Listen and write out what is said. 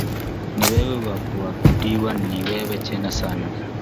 Ni wewe wa kuabudiwa ni wewe tena sana.